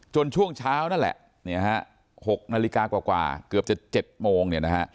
จนช่วงเช้านั่นแหละหลังจาก๖นาฬิกาเกือบจะ๗โมง